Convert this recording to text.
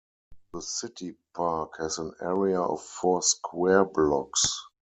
The city park has an area of four square blocks.